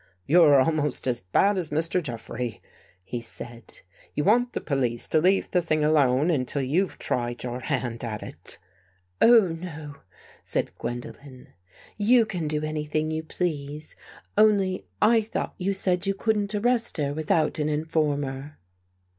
" You're almost as bad as Mr. Jeffrey," he said. " You want the police to leave the thing alone until you've tried your hand at it." " Oh, no," said Gwendolen. " You can do any thing you please. Only I thought you said you couldn't arrest her without an informer."